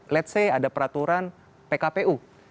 let's say ada peraturan pkpu